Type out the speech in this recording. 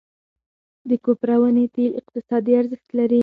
د کوپره ونې تېل اقتصادي ارزښت لري.